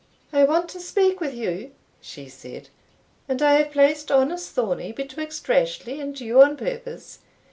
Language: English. "I want to speak with you," she said, "and I have placed honest Thornie betwixt Rashleigh and you on purpose.